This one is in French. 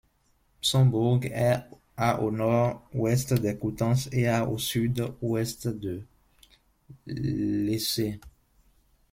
Son bourg est à au nord-ouest de Coutances et à au sud-ouest de Lessay.